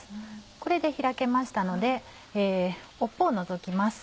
これで開けましたので尾っぽを除きます。